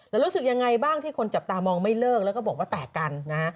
แล้วรู้สึกยังไงบ้างที่คนจับตามองไม่เลิกแล้วก็บอกว่าแตกกันนะฮะ